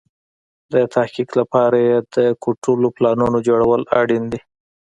د تحقق لپاره يې د کوټلو پلانونو جوړول اړين دي.